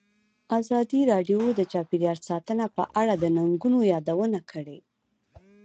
ازادي راډیو د چاپیریال ساتنه په اړه د ننګونو یادونه کړې.